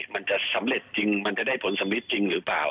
มันจะสำเร็จจริงมันจะได้ผลสำริดจริงหรือเปล่า